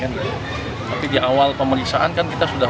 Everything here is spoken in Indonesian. tapi di awal pemeriksaan kan kita sudah